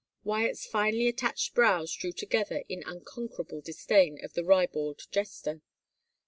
Wyatt's finely arched brows drew together in uncon querable disdain of the ribald jester.